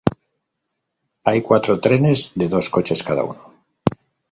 Hay cuatro trenes de dos coches cada uno.